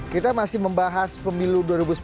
kita masih membahas pemilu dua ribu sembilan belas